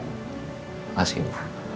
terima kasih bu